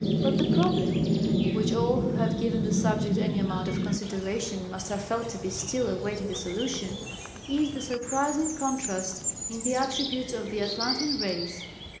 But the problem, which all who have given the subject any amount of consideration must have felt to be still awaiting a solution, is the surprising contrast in the attributes of the Atlantean race.